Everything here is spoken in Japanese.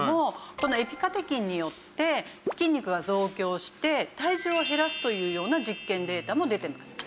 このエピカテキンによって筋肉が増強して体重を減らすというような実験データも出てます。